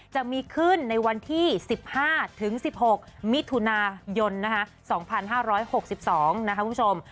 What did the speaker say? จะมีขึ้นในวันที่๑๕๑๖มิถุนายน๒๕๖๒นะคะคุณผู้ชม